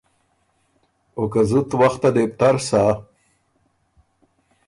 او که زُت وخته لې بو تر سۀ